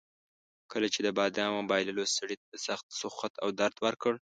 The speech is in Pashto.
کله چې د بادامو بایللو سړي ته سخت سوخت او درد ورکړ.